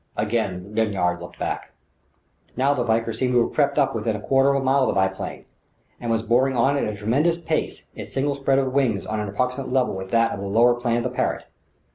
Again Lanyard looked back. Now the Valkyr seemed to have crept up to within the quarter of a mile of the biplane, and was boring on at a tremendous pace, its single spread of wings on an approximate level with that of the lower plane of the Parrott.